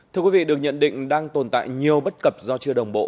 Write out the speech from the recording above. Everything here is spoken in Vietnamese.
thưa quý vị được nhận định đang tồn tại nhiều bất cập do chưa đồng bộ